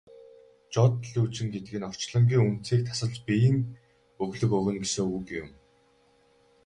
Жод лүйжин гэдэг нь орчлонгийн үндсийг тасалж биеийн өглөг өгнө гэсэн үг юм.